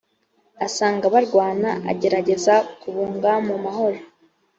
asanga barwana agerageza kubunga mu mahoro